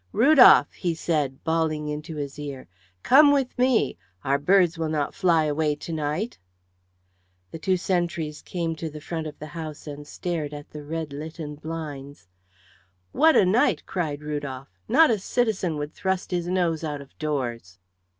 "Rudolf," he said, bawling into his ear, "come with me! Our birds will not fly away to night." The two sentries came to the front of the house and stared at the red litten blinds. "What a night!" cried Rudolf. "Not a citizen would thrust his nose out of doors."